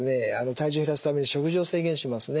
体重減らすために食事を制限しますね